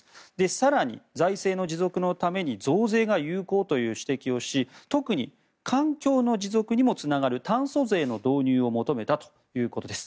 更に財政の持続のために増税が有効という指摘をし特に環境の持続にもつながる炭素税の導入を求めたということです。